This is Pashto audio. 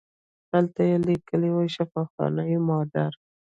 هلته یې لیکلي وو شفاخانه مادر.